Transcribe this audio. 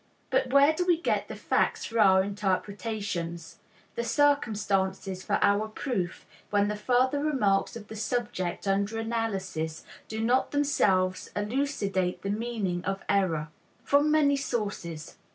But where do we get the facts for our interpretations, the circumstances for our proof, when the further remarks of the subject under analysis do not themselves elucidate the meaning of the error? From many sources.